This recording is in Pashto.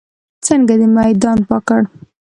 څنګه دې میدان پاک کړ.